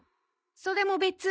それも別。